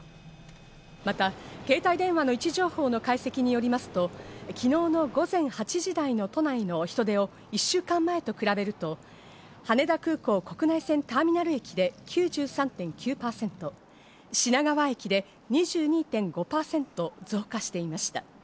また、携帯電話の位置情報の解析によりますと、昨日の午前８時台の都内の人出を１週間前と比べると、羽田空港国内線ターミナル駅で９３．９％、品川駅で２２．５％増加していました。